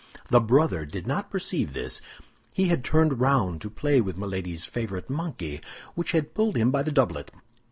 The brother did not perceive this; he had turned round to play with Milady's favorite monkey, which had pulled him by the doublet.